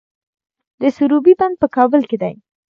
د سروبي بند په کابل کې دی